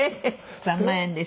３万円です。